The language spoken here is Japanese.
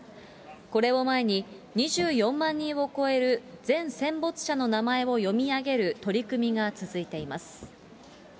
これを前に、２４万人を超える全戦没者の名前を読み上げる取り組みが続いています。